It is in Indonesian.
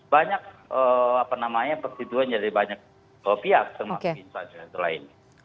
banyak apa namanya persiduhan dari banyak pihak termasuk insajen dan lain lain